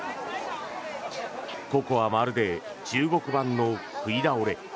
ここはまるで中国版の食い倒れ。